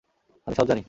আমি সব জানি।